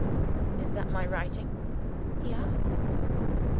"Is that my writing?" he asked.